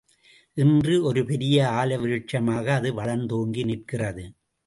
இன்று ஒரு பெரிய ஆலவிருட்சமாக அது வளர்ந்தோங்கி நிற்கிறது.